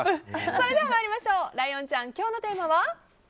それでは参りましょうライオンちゃん、今日のテーマは。